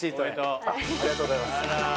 ありがとうございます。